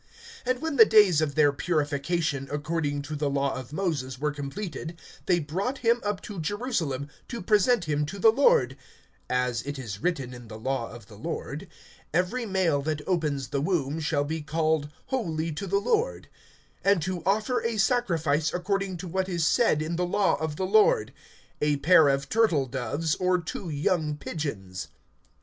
(22)And when the days of their purification, according to the law of Moses, were completed, they brought him up to Jerusalem, to present him to the Lord, (23)(as it is written in the law of the Lord: Every male that opens the womb shall be called holy to the Lord;) (24)and to offer a sacrifice according to what is said in the law of the Lord: A pair of turtle doves, or two young pigeons.